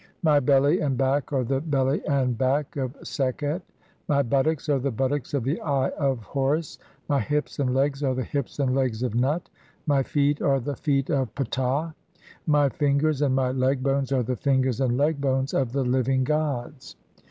(9) My belly and back are the belly and back of "Sekhet. My buttocks are the buttocks of the Eye of Horus. "My hips and legs are the hips and legs of Nut. My feet are the "feet of (10) Ptah. [My fingers] and my leg bones are the [fingers "and] leg bones of the Living Gods.